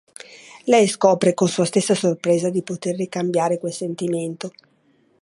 Lei scopre, con sua stessa sorpresa, di poter ricambiare quel sentimento.